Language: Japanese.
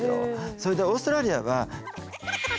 それでオーストラリアは。